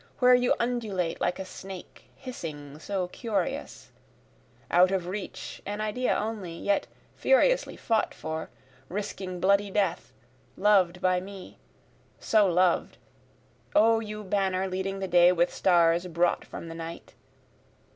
where you undulate like a snake hissing so curious, Out of reach, an idea only, yet furiously fought for, risking bloody death, loved by me, So loved O you banner leading the day with stars brought from the night!